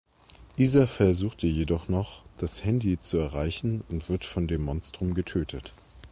Iza versucht jedoch noch das Handy zu erreichen und wird von dem Monstrum getötet.